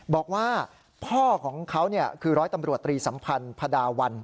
บอกว่าพ่อของเขาคือร้อยตำรวจตรีสัมพันธ์พดาวัน